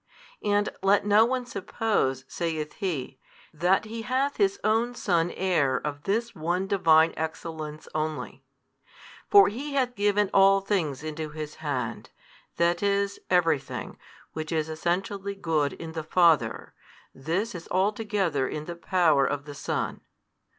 And let no one suppose, saith he, that He hath His Own Son Heir of this one Divine Excellence only. For He hath given all things into His Hand; i. e., everything, which is essentially good in the Father, this is altogether in the power of the Son.